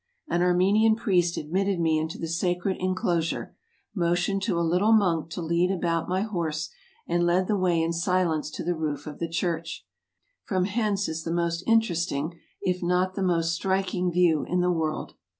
An Armenian priest admitted me into the sacred enclosure, motioned to a little monk to lead about my horse, and led the way in silence to the roof of the church. From hence is the most interesting, if not the most striking, view in the world.